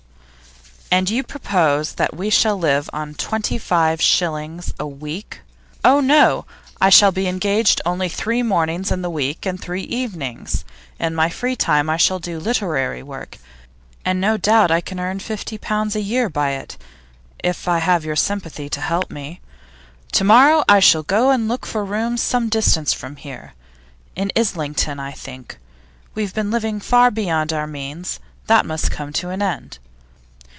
'And you propose that we shall live on twenty five shillings a week?' 'Oh no! I shall be engaged only three mornings in the week and three evenings. In my free time I shall do literary work, and no doubt I can earn fifty pounds a year by it if I have your sympathy to help me. To morrow I shall go and look for rooms some distance from here; in Islington, I think. We have been living far beyond our means; that must come to an end.